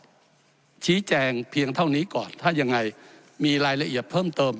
ก็ชี้แจงเพียงเท่านี้ก่อนถ้ายังไงมีรายละเอียดเพิ่มเติม